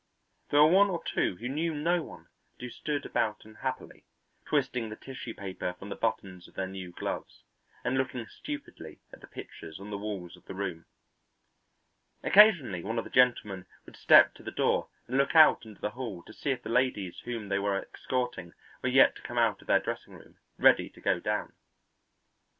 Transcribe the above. There were one or two who knew no one and who stood about unhappily, twisting the tissue paper from the buttons of their new gloves, and looking stupidly at the pictures on the walls of the room. Occasionally one of the gentlemen would step to the door and look out into the hall to see if the ladies whom they were escorting were yet come out of their dressing room, ready to go down.